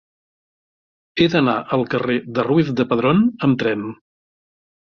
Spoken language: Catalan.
He d'anar al carrer de Ruiz de Padrón amb tren.